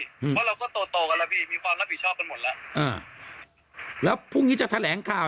เพราะเราก็โตกันแล้วพี่มีความรับผิดชอบกันหมดแล้ว